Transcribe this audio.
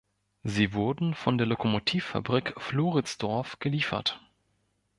Sie wurden von der Lokomotivfabrik Floridsdorf geliefert.